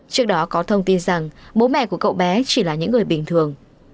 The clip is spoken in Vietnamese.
trước đó có thông tin rằng bố mẹ của cậu bé chỉ là những người bình thường